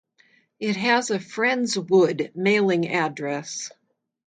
It has a Friendswood mailing address.